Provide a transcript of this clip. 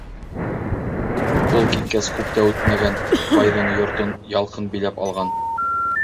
Ул киткәс күп тә үтмәгән, байҙың йортон ялҡын биләп алған.